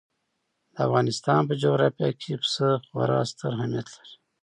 د افغانستان په جغرافیه کې پسه خورا ستر اهمیت لري.